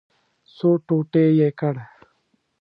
څو ټوټې یې کړ.